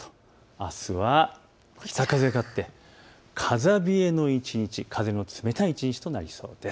あすは北風が勝って風冷えの一日、風の冷たい一日となりそうです。